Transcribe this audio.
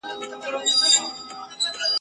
هر لښتی يې اباسين ؤ !.